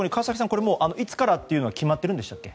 これ、いつからというのは決まっていたんでしたっけ。